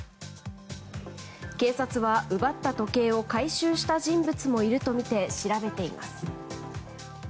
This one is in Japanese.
警察は、奪った時計を回収した人物もいるとみて調べています。